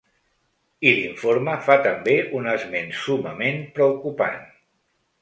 I l’informe fa també un esment summament preocupant.